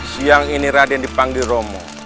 siang ini raden dipanggil romo